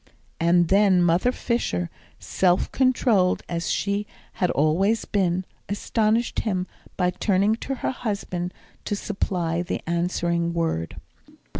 And then Mother Fisher, self controlled as she had always been, astonished him by turning to her husband to supply the answering word.